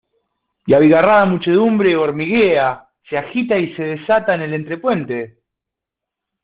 y abigarrada muchedumbre hormiguea, se agita y se desata en el entrepuente.